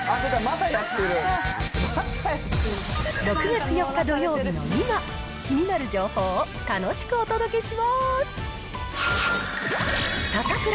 ６月４日土曜日の今、気になる情報を楽しくお届けします。